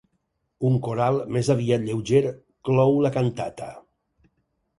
Un coral, més aviat lleuger, clou la cantata.